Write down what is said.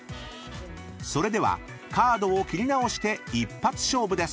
［それではカードを切り直して一発勝負です］